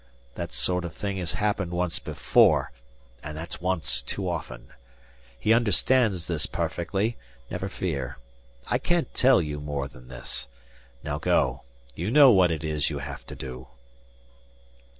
That sort of thing has happened once before and that's once too often. He understands this perfectly, never fear. I can't tell you more than this. Now go. You know what it is you have to do."